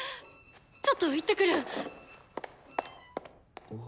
ちょっと行ってくる！